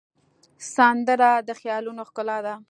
سندره د خیالونو ښکلا ده